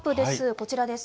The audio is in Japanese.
こちらです。